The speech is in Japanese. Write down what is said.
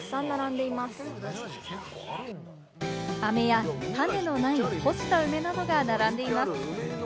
飴や種のない干した梅などが並んでいます。